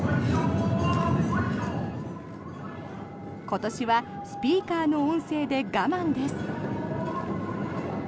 今年はスピーカーの音声で我慢です。